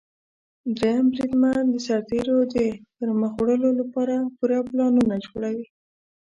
دریم بریدمن د سرتیرو د پرمخ وړلو لپاره پوره پلانونه جوړوي.